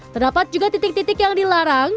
terdapat juga titik titik yang dilarang